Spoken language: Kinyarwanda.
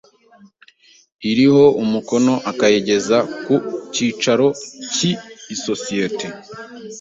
iriho umukono akayigeza ku cyicaro cy i sosiyete